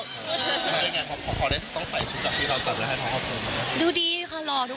พอได้ต้องใส่เสื้อผ้าที่เราจัดให้เขาก็คือ